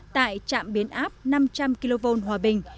tại trạm biến áp năm trăm linh kv hòa bình